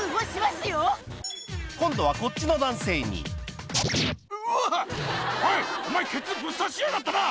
今度はこっちの男性にうわぁ！